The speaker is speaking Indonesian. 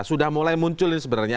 sudah mulai muncul ini sebenarnya